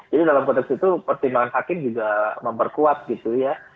jadi dalam konteks itu pertimbangan hakim juga memperkuat gitu ya